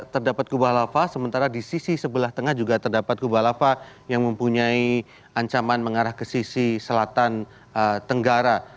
terdapat kubah lava sementara di sisi sebelah tengah juga terdapat kubah lava yang mempunyai ancaman mengarah ke sisi selatan tenggara